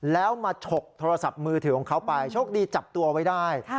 แล้วมาฉกโทรศัพท์มือถือของเขาไปโชคดีจับตัวไว้ได้